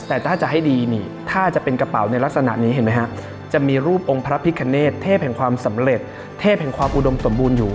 แต่ถ้าจะให้ดีนี่ถ้าจะเป็นกระเป๋าในลักษณะนี้เห็นไหมฮะจะมีรูปองค์พระพิคเนตเทพแห่งความสำเร็จเทพแห่งความอุดมสมบูรณ์อยู่